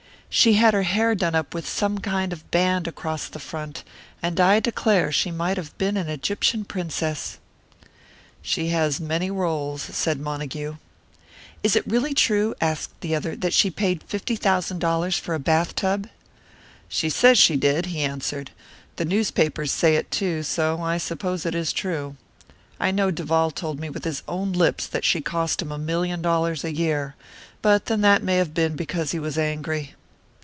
She had her hair done up with some kind of a band across the front, and I declare she might have been an Egyptian princess." "She has many roles," said Montague. "Is it really true," asked the other, "that she paid fifty thousand dollars for a bath tub?" "She says she did," he answered. "The newspapers say it, too, so I suppose it is true. I know Duval told me with his own lips that she cost him a million dollars a year; but then that may have been because he was angry."